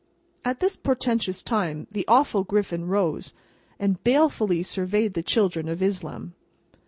At this portentous time the awful Griffin rose, and balefully surveyed the children of Islam.